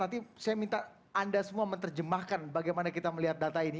nanti saya minta anda semua menerjemahkan bagaimana kita melihat data ini